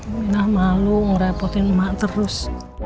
minah malu merepotin emak terus